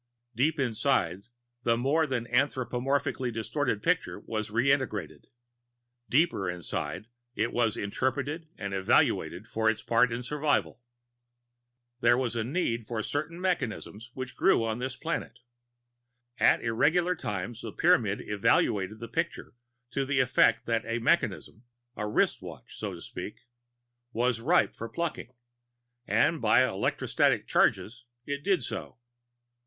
Deep inside, the more than anamorphically distorted picture was reintegrated. Deeper inside, it was interpreted and evaluated for its part in survival. There was a need for certain mechanisms which grew on this planet. At irregular times, the Pyramid evaluated the picture to the effect that a mechanism a wristwatch, so to speak was ripe for plucking; and by electrostatic charges, it did so.